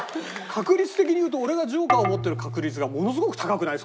確率的に言うと俺がジョーカーを持ってる確率がものすごく高くない？